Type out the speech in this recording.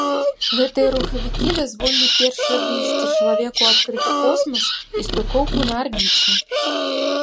Гэтыя рухавікі дазволілі першае выйсце чалавека ў адкрыты космас і стыкоўку на арбіце.